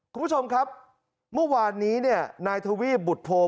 คุณผู้ชมครับมุดวานนี้นายทวีบบุตโพธิ์